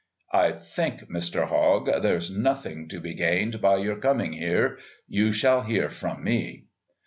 "I think, Mr. Hogg, there's nothing to be gained by your coming here. You shall hear from me."